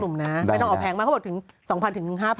ไม่ต้องออกแผงมาเขาบอกถึง๒๐๐๐๕๐๐๐